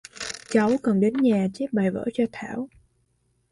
cháu còn đến nhà chép bài vở cho thảo